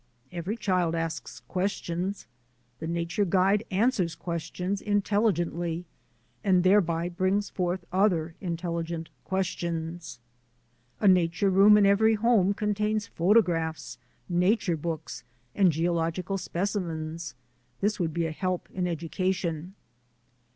Every child asks questions. The nature guide answers questions intelligently and thereby brings forth other intelligent questions. A nature room in every home containing photo graphs, nature books, and geological specimens. This would be a help in education.